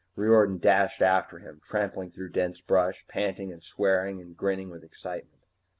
Riordan dashed after him, trampling through dense bush, panting and swearing and grinning with excitement.